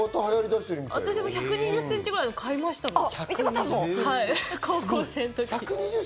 私も１２０ｃｍぐらいの買いましたもん、高校生のとき。